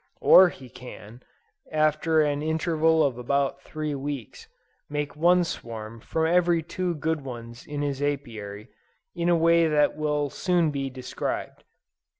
Or he can, after an interval of about three weeks, make one swarm from every two good ones in his Apiary, in a way that will soon be described.